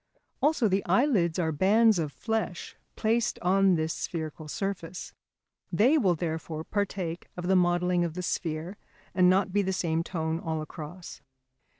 Also the eyelids are bands of flesh placed on this spherical surface. They will therefore partake of the modelling of the sphere and not be the same tone all across.